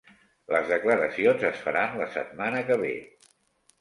Les declaracions es faran la setmana que ve